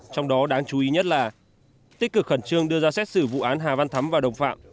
trong đó đáng chú ý nhất là tích cực khẩn trương đưa ra xét xử vụ án hà văn thắm và đồng phạm